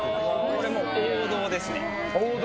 これも王道ですね。